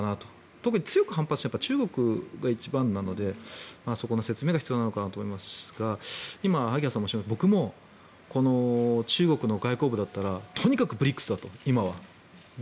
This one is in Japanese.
特に強く反発しているのは中国が一番なのでそこの説明が必要なのかなと思いますが今、萩谷さんがおっしゃるように僕も中国の外交部だったらとにかくＢＲＩＣＳだと今は。